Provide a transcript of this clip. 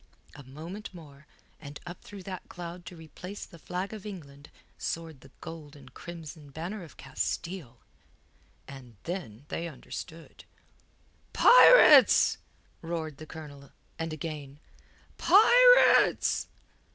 A moment more, and up through that cloud to replace the flag of England soared the gold and crimson banner of Castile. And then they understood. "Pirates!" roared the Colonel, and again, "Pirates!"